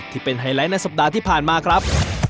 ไฮไลท์ในสัปดาห์ที่ผ่านมาครับ